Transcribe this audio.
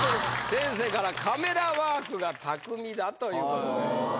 先生から「カメラワークが巧み」だという事でございます。